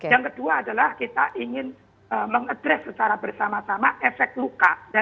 yang kedua adalah kita ingin mengadres secara bersama sama efek luka